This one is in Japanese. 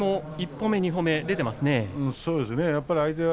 １歩目２歩目出ていますね。